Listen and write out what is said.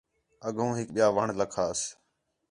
اڳوں ہِک ٻِیا وݨ لَکھاس